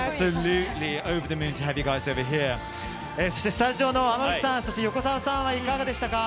スタジオの濱口さんそして横澤さんはいかがでしたか？